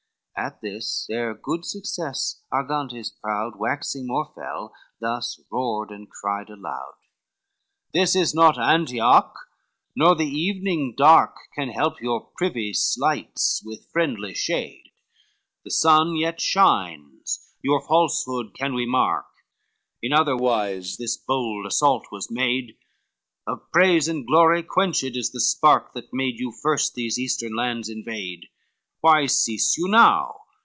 At this their good success Argantes proud, Waxing more fell, thus roared and cried aloud: LXI "This is not Antioch, nor the evening dark Can help your privy sleights with friendly shade, The sun yet shines, your falsehood can we mark, In other wise this bold assault is made; Of praise and glory quenched is the spark That made you first these eastern lands invade, Why cease you now?